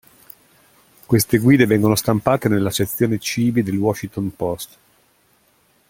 Queste guide vengono stampate nella "sezione cibi" del Washington Post.